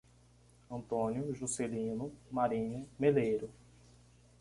Antônio Juscelino Marinho Meleiro